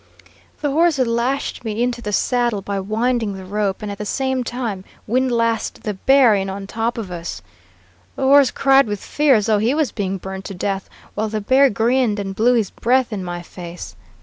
The horse had lashed me into the saddle by winding the rope, and at the same time windlassed the bear in on top of us. The horse cried with fear as though he was being burnt to death, while the bear grinned and blew his breath in my face.